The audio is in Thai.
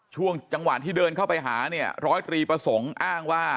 ช่วงจังหวะที่เดินเข้าไปหาเนี่ยร้อยตรีประสงค์อ้างว่า